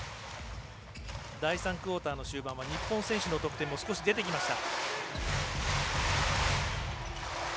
第３クオーターの終盤は日本選手の得点も少し出てきました。